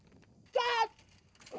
waduh tenang bro